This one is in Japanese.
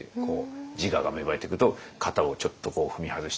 自我が芽生えてくると型をちょっとこう踏み外してみたり。